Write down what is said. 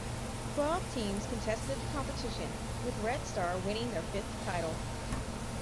Twelve teams contested the competition, with Red Star winning their fifth title.